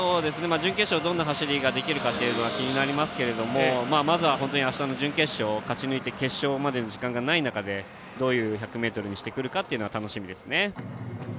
準決勝でどんな走りができるか気になりますがまずは、あしたの準決勝を勝ち抜いて決勝まで時間がない中でどういう１００ｍにしてくるか楽しみです。